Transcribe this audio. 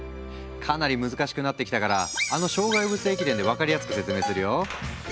かなり難しくなってきたからあの障害物駅伝で分かりやすく説明するよ。